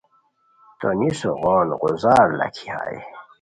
تونیسو غون غوزار لاکھی ہائے